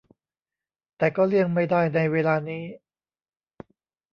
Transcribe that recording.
แต่ก็เลี่ยงไม่ได้ในเวลานี้